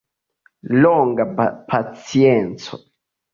Longa pacienco.